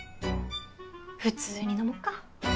普通に飲もっか。